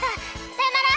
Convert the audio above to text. さよなら！